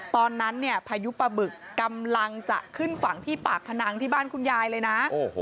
ตอนนั้นเนี่ยพายุปะบึกกำลังจะขึ้นฝั่งที่ปากพนังที่บ้านคุณยายเลยนะ